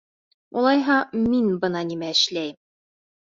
Улайһа, мин бына нимә эшләйем!